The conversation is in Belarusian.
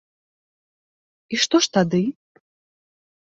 І што ж тады?